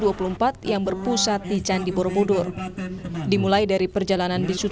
dari perjalanan bisu tudung yang tahun ini berakhir di candi borobudur di jokowi di ucun jepang indonesia